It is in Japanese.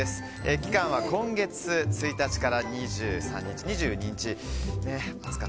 期間は今月１日から２２日。